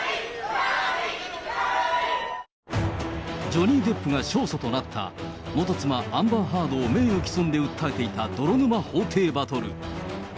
ジョニー・デップが勝訴となった元妻、アンバー・ハードを名誉毀損で訴えていた泥沼法廷バトル。